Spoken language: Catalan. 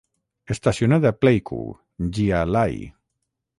Estacionat a Pleiku, Gia Lai.